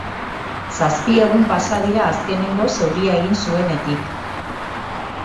Zazpi egun pasa dira azkenengoz euria egin zuenetik